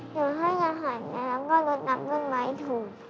อยู่ให้กระถ่ายแม่แล้วก็รถนับรถไม้ถูก